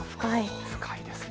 深いですね。